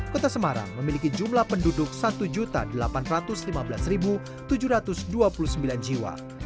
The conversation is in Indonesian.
kota semarang memiliki jumlah penduduk satu delapan ratus lima belas tujuh ratus dua puluh sembilan jiwa